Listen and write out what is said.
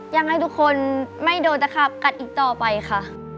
ยังไงทุกคนไม่โดนตะขาบกัดอีกต่อไปค่ะ